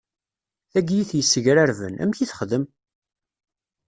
Tagi i t-yessegrarben, amek i texdem?